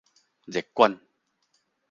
熱管